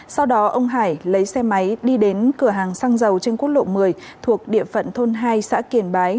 sau đó ông hải lấy xe máy đi đến cửa hàng xăng dầu trên quốc lộ một mươi thuộc địa phận thôn hai xã kiển bái